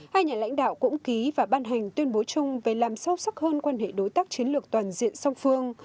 hai nhà lãnh đạo cũng ký và ban hành tuyên bố chung về làm sâu sắc hơn quan hệ đối tác chiến lược toàn diện song phương